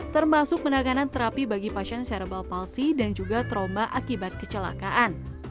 termasuk penanganan terapi bagi pasien cereble palsy dan juga trauma akibat kecelakaan